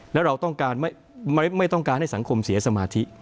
และเราไม่ต้องการให้สังคมเสียสมาธิ